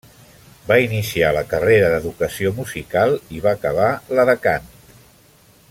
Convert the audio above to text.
Va iniciar la carrera d'educació musical, i va acabar la de cant.